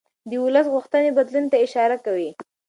د ولس غوښتنې بدلون ته اشاره کوي